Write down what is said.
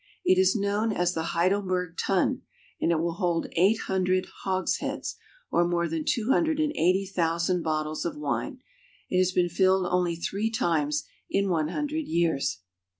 It is known as the Heidelberg tun, and it will hold eight hundred hogsheads, or more than two hundred and eighty thousand bottles of wine. It has been filled only three times in one hundred years.